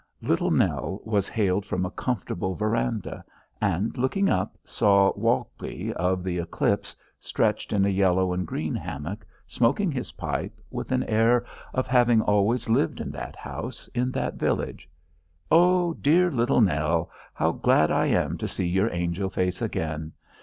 Little Nell was hailed from a comfortable veranda, and, looking up, saw Walkley of the Eclipse, stretched in a yellow and green hammock, smoking his pipe with an air of having always lived in that house, in that village. "Oh, dear little Nell, how glad I am to see your angel face again!